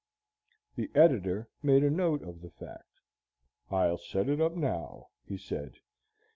The editor made a note of the fact. "I'll set it up now," he said.